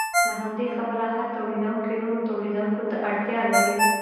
له همدې کبله هر تولیدونکی نورو تولیدونکو ته اړتیا لري